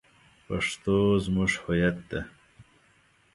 پښتو زمونږ هویت ده